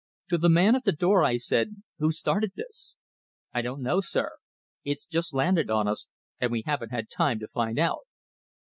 To the man at the door I said: "Who started this?" "I don't know, sir. It's just landed on us, and we haven't had time to find out."